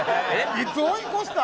いつ追い越した？